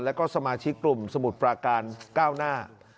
แล้วก็สมาชิกกลุ่มสมุทรปราการก้าวหน้า